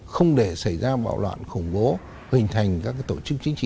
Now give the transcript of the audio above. không để xảy ra bạo loạn khủng bố hình thành các tổ chức chính trị